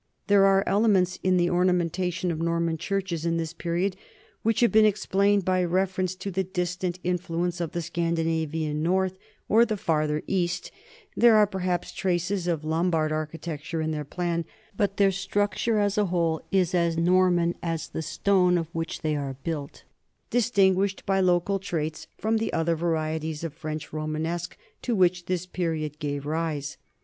There are elements in the ornamentation of Norman churches in this period which have been explained by reference to the distant influence of the Scandinavian north or the Farther East, there are perhaps traces of Lombard architecture in their plan, but their structure as a whole is as Norman as the stone of which they are built, dis tinguished by local traits from the other varieties of French Romanesque to which this period gave rise.